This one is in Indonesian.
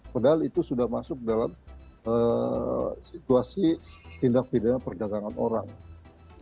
padahal itu sudah masuk dalam situasi tindak pidana perdagangan orang